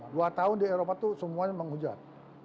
dua tahun di eropa itu semuanya menghujat